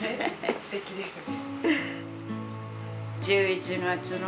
・すてきですね。